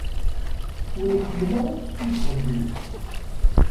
Ur iḥemmel ara seksu s tɣeddiwt.